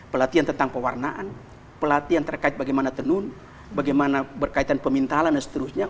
pelatihan tentang pewarnaan pelatihan terkait bagaimana tenun bagaimana berkaitan pemintalan dan seterusnya